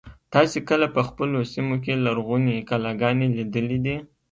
تاسې کله په خپلو سیمو کې لرغونې کلاګانې لیدلي دي.